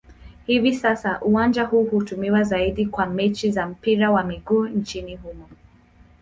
Hivi sasa uwanja huu hutumiwa zaidi kwa mechi za mpira wa miguu nchini humo.